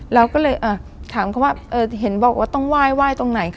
เราก็เลยถามเขาว่าเห็นบอกว่าต้องไหว้ตรงไหน